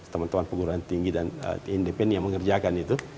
teman teman pengguruan tinggi dan independ yang mengerjakan itu